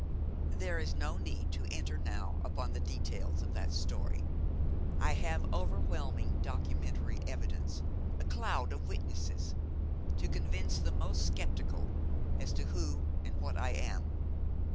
There is no need to enter now upon the details of that story. I have overwhelming documentary evidence a cloud of witnesses to convince the most sceptical as to who and what I am.